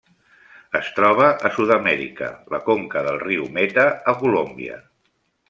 Es troba a Sud-amèrica: la conca del riu Meta a Colòmbia.